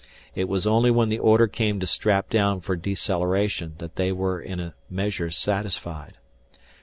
It was only when the order came to strap down for deceleration that they were in a measure satisfied.